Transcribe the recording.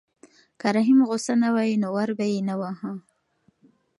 که رحیم غوسه نه وای نو ور به یې نه واهه.